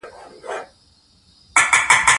په اسلامي نظام کښي د عقل چاپېریال د ژوند وسایل يي.